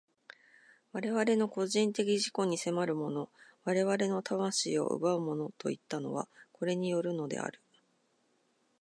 我々の個人的自己に迫るもの、我々の魂を奪うものといったのは、これによるのである。